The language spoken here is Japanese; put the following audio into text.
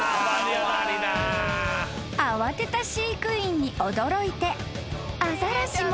［慌てた飼育員に驚いてアザラシも逃げた］